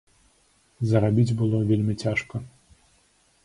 Зарабіць было вельмі цяжка.